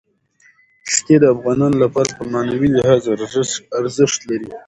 ښتې د افغانانو لپاره په معنوي لحاظ ارزښت لري.